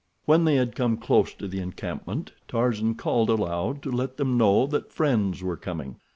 When they had come close to the encampment Tarzan called aloud to let them know that friends were coming.